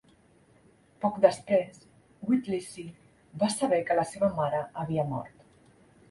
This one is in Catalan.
Poc després, Whittlesey va saber que la seva mare havia mort.